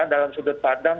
dalam sudut pandang